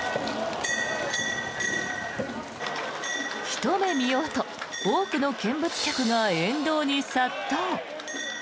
ひと目見ようと多くの見物客が沿道に殺到。